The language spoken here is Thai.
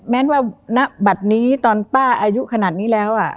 แม้ว่าณบัตรนี้ตอนป้าอายุขนาดนี้แล้ว